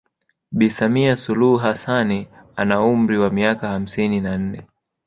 Bi Samia Suluhu Hassanni ana umri wa miaka hamsini na nne